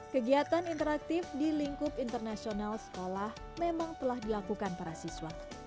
kegiatan interaktif di lingkup internasional sekolah memang telah dilakukan para siswa